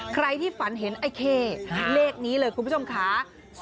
ใครที่ฝันเห็นไอ้เข้เลขนี้เลยคุณผู้ชมค่ะ